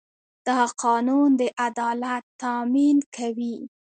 دا قانون د عدالت تامین کوي.